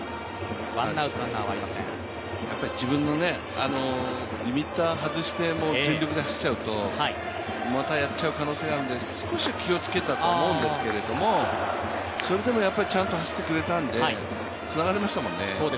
自分のリミッター外して全力で走っちゃうとまたやっちゃう可能性があるんで、少し気をつけたと思うんですけどもそれでもやっぱりちゃんと走ってくれたんで、つながりましたもんね。